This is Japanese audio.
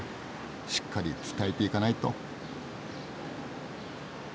しっかり伝えていかないと。